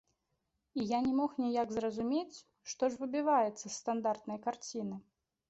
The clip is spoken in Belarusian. І я не мог ніяк зразумець, што ж выбіваецца з стандартнай карціны.